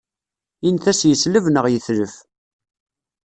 Init-as yesleb neɣ yetlef.